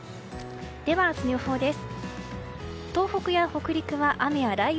では明日の予報です。